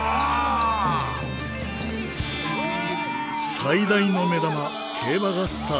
最大の目玉競馬がスタート。